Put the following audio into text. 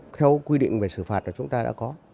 theo quy định về xử phạt là chúng ta đã có